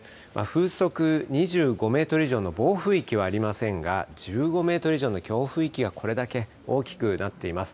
風速２５メートル以上の暴風域はありませんが、１５メートル以上の強風域がこれだけ大きくなっています。